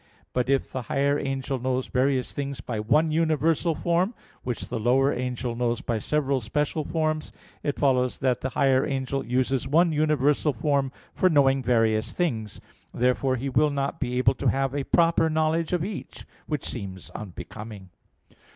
But if the higher angel knows various things by one universal form, which the lower angel knows by several special forms, it follows that the higher angel uses one universal form for knowing various things. Therefore he will not be able to have a proper knowledge of each; which seems unbecoming.